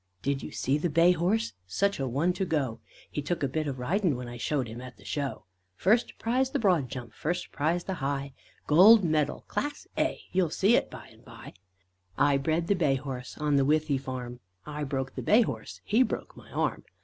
Did you see the bay horse? Such a one to go! He took a bit of ridin', When I showed him at the Show. First prize the broad jump, First prize the high; Gold medal, Class A, You'll see it by and by. I bred the bay horse On the Withy Farm. I broke the bay horse, He broke my arm.